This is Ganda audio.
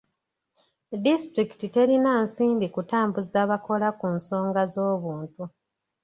Disitulikiti terina nsimbi kutambuza bakola ku nsonga z'obuntu.